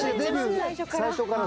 最初から。